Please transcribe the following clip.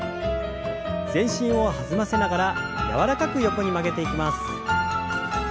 全身を弾ませながら柔らかく横に曲げていきます。